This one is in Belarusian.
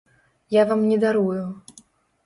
Я вам не дарую.